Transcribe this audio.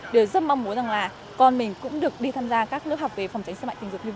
đều rất mong muốn rằng là con mình cũng được đi tham gia các lớp học về phòng tránh xâm hại tình dục như thế